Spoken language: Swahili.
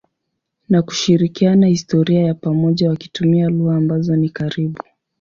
na kushirikiana historia ya pamoja wakitumia lugha ambazo ni karibu.